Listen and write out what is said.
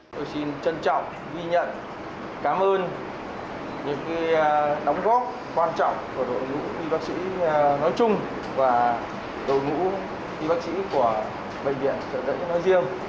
đội ngũ y bác sĩ nói chung và đội ngũ y bác sĩ của bệnh viện trợ rẫy nói riêng